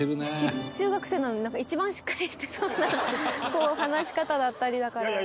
中学生なのに一番しっかりしてそうなこう話し方だったりだから。